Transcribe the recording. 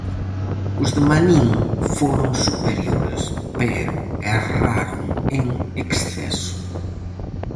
Os de Manín foron superiores, pero erraron en exceso.